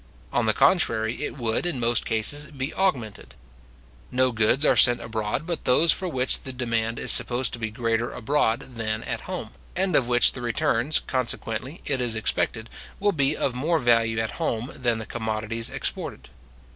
On the contrary, it would, in most cases, be augmented. No goods are sent abroad but those for which the demand is supposed to be greater abroad than at home, and of which the returns, consequently, it is expected, will be of more value at home than the commodities exported.